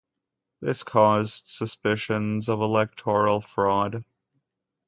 This caused suspicions of electoral fraud.